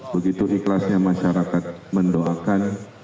begitu ikhlasnya masyarakat mendoakan